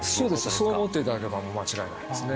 そう思って頂けばもう間違いないですね。